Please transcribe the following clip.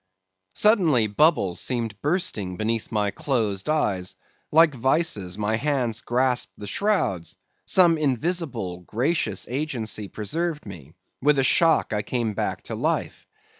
Suddenly bubbles seemed bursting beneath my closed eyes; like vices my hands grasped the shrouds; some invisible, gracious agency preserved me; with a shock I came back to life.